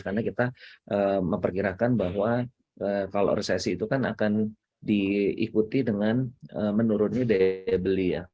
karena kita memperkirakan bahwa kalau resesi itu kan akan diikuti dengan menurunnya daya beli ya